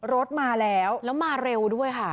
รถมาแล้วแล้วมาเร็วด้วยค่ะ